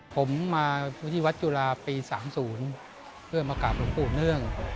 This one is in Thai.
ผมมาที่วัดจุฬาปี๓๐เพื่อมากราบหลวงปู่เนื่อง